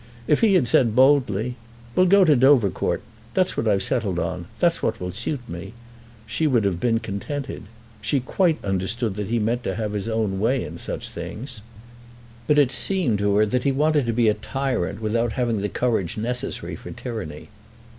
If he had said boldly, "We'll go to Dovercourt. That's what I've settled on. That's what will suit me," she would have been contented. She quite understood that he meant to have his own way in such things. But it seemed to her that he wanted to be a tyrant without having the courage necessary for tyranny.